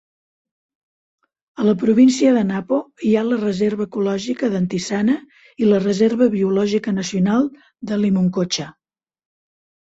A la província de Napo hi ha la Reserva ecològica d'Antisana i la Reserva biològica nacional de Limoncocha.